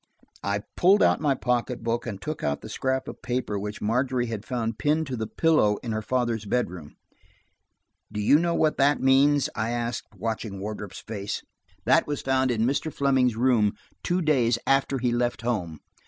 I pulled out my pocket book and took out the scrap of paper which Margery had found pinned to the pillow in her father's bedroom. "Do you know what that means?" I asked, watching Wardrop's face. "That was found in Mr. Fleming's room two days after he left home.